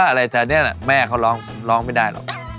อะไรแบบนี้แม่เขาร้องร้องไม่ได้หรอก